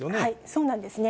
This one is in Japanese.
そうなんですね。